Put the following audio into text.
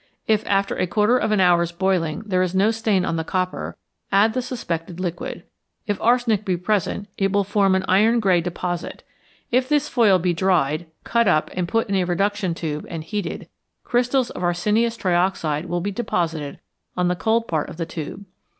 If, after a quarter of an hour's boiling, there is no stain on the copper, add the suspected liquid. If arsenic be present, it will form an iron grey deposit. If this foil be dried, cut up, put in a reduction tube, and heated, crystals of arsenious trioxide will be deposited on the cold part of the tube.